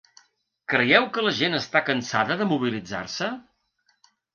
Creieu que la gent està cansada de mobilitzar-se?